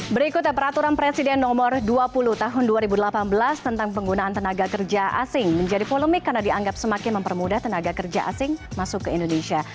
berikutnya peraturan presiden nomor dua puluh tahun dua ribu delapan belas tentang penggunaan tenaga kerja asing menjadi polemik karena dianggap semakin mempermudah tenaga kerja asing masuk ke indonesia